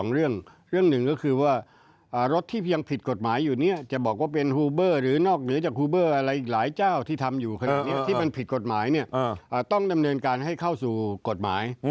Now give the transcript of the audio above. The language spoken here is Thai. เรื่องหนึ่งก็คือว่ารถที่ยังผิดกฎหมายอยู่เนี่ยจะบอกว่าเป็นฮูเบอร์หรือนอกเหนือจากฮูเบอร์อะไรอีกหลายเจ้าที่ทำอยู่ขณะนี้ที่มันผิดกฎหมายเนี่ยต้องดำเนินการให้เข้าสู่กฎหมาย